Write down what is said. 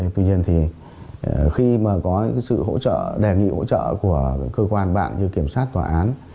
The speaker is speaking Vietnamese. tuy nhiên thì khi mà có những sự hỗ trợ đề nghị hỗ trợ của cơ quan bạn như kiểm soát tòa án